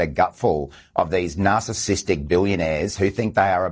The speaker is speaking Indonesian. dari para pembeli beli yang menarik yang berpikir mereka lebih ke atas peraturan